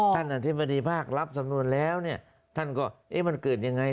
อธิบดีภาครับสำนวนแล้วเนี่ยท่านก็เอ๊ะมันเกิดยังไง